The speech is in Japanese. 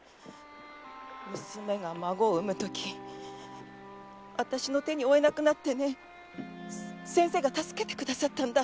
娘が孫を産むときあたしの手に負えなくなってね先生が助けてくださったんだ。